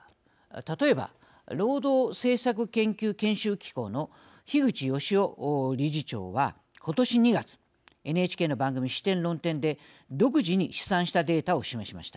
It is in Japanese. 例えば労働政策研究・研修機構の樋口美雄理事長は今年２月ＮＨＫの番組、「視点・論点」で独自に試算したデータを示しました。